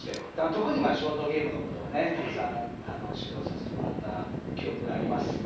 特にショートゲームのことをたくさん指導させてもらった記憶があります。